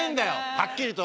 はっきりと。